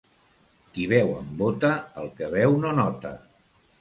Qui beu amb bota, el que beu no nota.